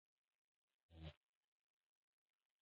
نجونې زده کوي چې څنګه د خپلو حقونو دفاع وکړي.